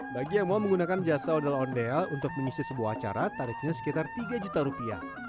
bagi yang mau menggunakan jasa ondel ondel untuk mengisi sebuah acara tarifnya sekitar tiga juta rupiah